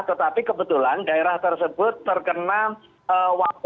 tetapi kebetulan daerah tersebut terkena wabah